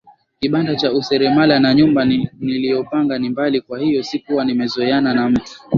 kibanda cha useremala na nyumba niliyopanga ni mbali Kwa hiyo sikuwa nimezoeana na mtu